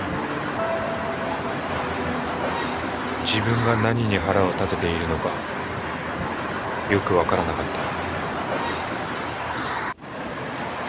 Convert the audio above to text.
自分が何に腹を立てているのかよく分からなかった